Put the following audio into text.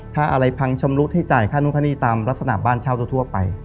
ถ้าอะไรพังชำรุดให้จ่ายค่านู้นค่าหนี้ตามลักษณะบ้านเช่าทั่วไป